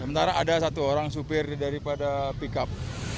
sementara ada satu orang supir daripada pick up